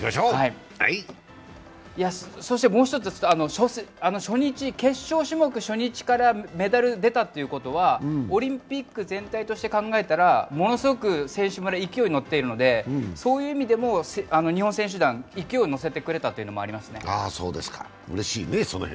そしてもう一つ、決勝種目初日からメダル出たということは、オリンピック全体として考えたら、ものすごく選手村は勢いに乗っているので、そういう意味でも日本選手団、勢いに乗せてくれたというのがありますね。